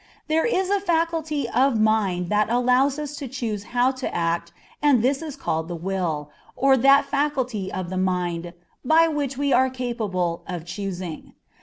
There is a faculty of mind that allows us to choose how to act, and this is called the will, or that faculty of the mind "by which we are capable of choosing."